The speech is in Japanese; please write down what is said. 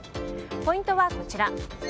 ポイントはこちら。